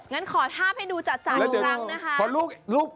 งั้นขอทาบให้ดูจัดอีกครั้งนะคะ